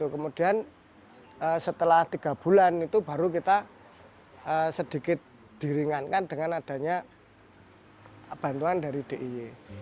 kemudian setelah tiga bulan itu baru kita sedikit diringankan dengan adanya bantuan dari diy